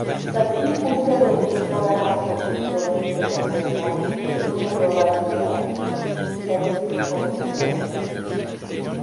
Sacyr busca reunir todas las concesiones que mantenga en una nueva filial, Sacyr Concesiones.